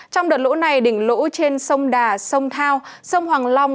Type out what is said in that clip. trong đợt lũ này đỉnh lũ trên sông đà sông thao sông hoàng long